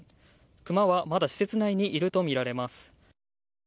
クマはまだ施設内にいるとみられます。